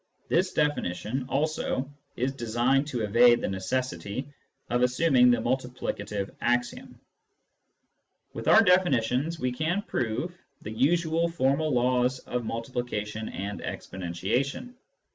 This definition, also, is designed to evade the necessity of assuming the multiplicative axiom. 122 Introduction to Mathematical Philosophy With our definitions, we can prove the usual formal laws of multiplication and exponentiation.